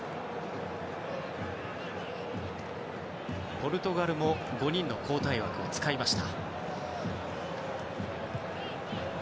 ポルトガルも５人の交代枠を使いました。